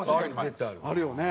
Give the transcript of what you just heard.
あるよね。